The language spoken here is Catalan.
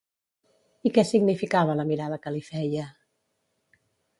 I què significava la mirada que li feia?